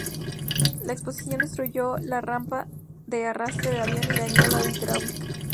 La explosión destruyó la rampa de arrastre del avión y dañó la hidráulica.